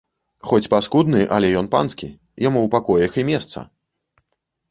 Хоць паскудны, але ён панскі, яму ў пакоях і месца!